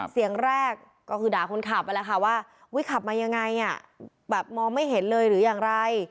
เสียงแรกก็คือด่าคนขับไปว่าวิ๊ขับมาอย่างไรแบบมองไม่เห็นหรือยังอะไร